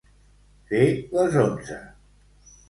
Fer les onze.